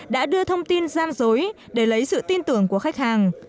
đã đưa thông tin gian dối để lấy sự tin tưởng của khách hàng